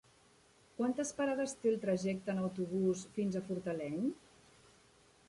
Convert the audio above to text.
Quantes parades té el trajecte en autobús fins a Fortaleny?